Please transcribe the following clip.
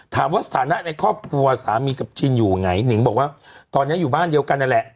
สถานะในครอบครัวสามีกับจินอยู่ไหนหนิงบอกว่าตอนนี้อยู่บ้านเดียวกันนั่นแหละ